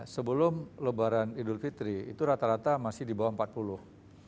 sebelum lebaran idul fitri itu rata rata masih di bawah empat puluh